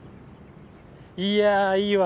いやいいわ。